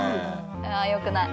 ああよくない。